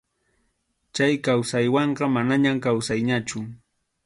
Chay kawsaywanqa manañam kawsayñachu.